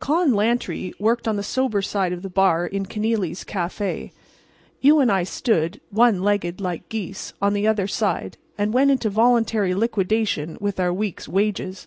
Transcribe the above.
Con Lantry worked on the sober side of the bar in Kenealy's café. You and I stood, one legged like geese, on the other side and went into voluntary liquidation with our week's wages.